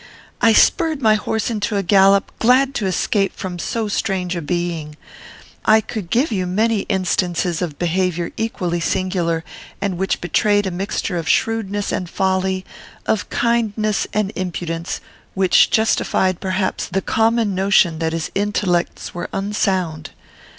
"I spurred my horse into a gallop, glad to escape from so strange a being. I could give you many instances of behaviour equally singular, and which betrayed a mixture of shrewdness and folly, of kindness and impudence, which justified, perhaps, the common notion that his intellects were unsound.